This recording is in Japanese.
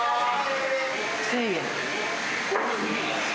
１０００円。